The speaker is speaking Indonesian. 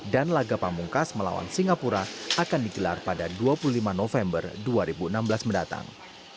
dan lagapahamungkas melawan singapura akan digelar pada dua puluh lima november dua ribu enam belas mendatang